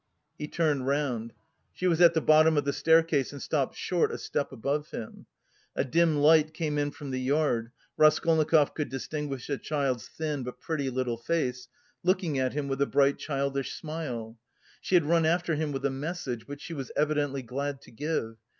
He turned round. She was at the bottom of the staircase and stopped short a step above him. A dim light came in from the yard. Raskolnikov could distinguish the child's thin but pretty little face, looking at him with a bright childish smile. She had run after him with a message which she was evidently glad to give.